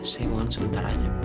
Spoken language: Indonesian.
saya mau sementara aja bu